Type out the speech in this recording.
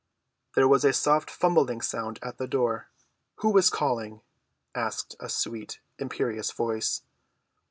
There was a soft fumbling sound at the door. "Who is calling?" asked a sweet, imperious voice.